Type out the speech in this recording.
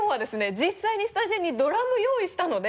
実際にスタジオにドラム用意したので。